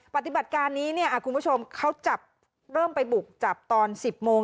ปฏิบัติการนี้เนี่ยคุณผู้ชมเขาจับเริ่มไปบุกจับตอน๑๐โมง